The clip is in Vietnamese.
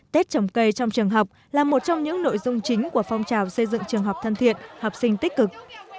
tết trồng cây trong trường học là một trong những nội dung chính của phong trào xây dựng trường học thân thiện học sinh tích cực